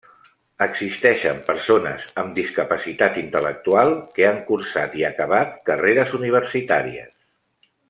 Existeixen persones amb discapacitat intel·lectual que han cursat i acabat carreres universitàries.